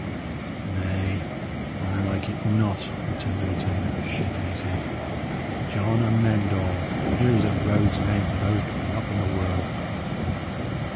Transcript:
"Nay, I like it not," returned the retainer, shaking his head. "John Amend All! Here is a rogue's name for those that be up in the world!